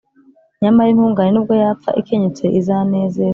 Nyamara intungane, n’ubwo yapfa ikenyutse, izanezerwa,